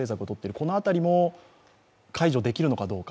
この辺りも、解除できるのかどうか